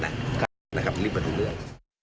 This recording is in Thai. เริ่มไปทุกเรื่อง